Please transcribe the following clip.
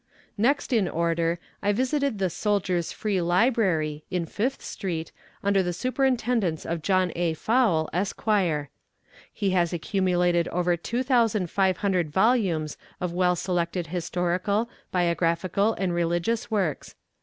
Next in order, I visited the "Soldier's Free Library," in Fifth street, under the superintendence of John A. Fowle, Esq. He has accumulated over two thousand five hundred volumes of well selected historical, biographical and religious works.